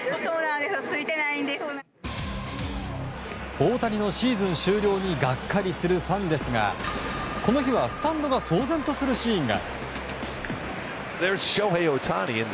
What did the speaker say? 大谷のシーズン終了にがっかりするファンですがこの日は、スタンドが騒然とするシーンが。